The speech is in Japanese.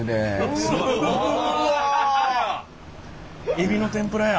エビの天ぷらや！